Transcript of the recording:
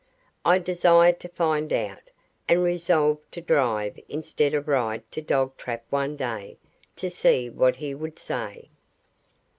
I desired to find out, and resolved to drive instead of ride to Dogtrap one day to see what he would say.